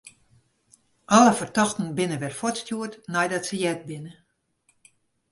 Alle fertochten binne wer fuortstjoerd neidat se heard binne.